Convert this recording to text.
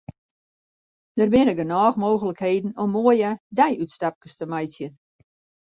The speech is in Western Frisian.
Der binne genôch mooglikheden om moaie deiútstapkes te meitsjen.